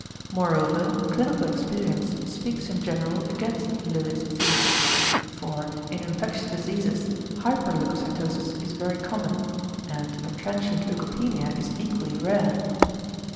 Moreover clinical experience speaks in general against Löwit's theory. For in infectious diseases hyperleucocytosis is very common; and a transient leukopenia is equally rare.